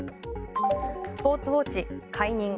スポーツ報知、解任。